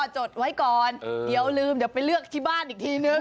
จดไว้ก่อนเดี๋ยวลืมเดี๋ยวไปเลือกที่บ้านอีกทีนึง